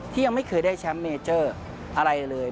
ยังไม่เคยได้แชมป์เมเจอร์อะไรเลย